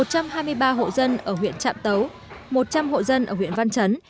một trăm hai mươi ba hộ dân ở huyện trạm tấu một trăm linh hộ dân ở huyện văn chấn